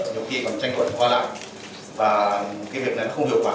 nhiều khi còn tranh cuộn qua lại và cái việc này nó không hiệu quả